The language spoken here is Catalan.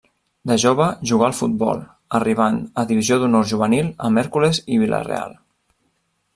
De jove jugà al futbol, arribant a Divisió d'Honor juvenil amb Hèrcules i Vila-real.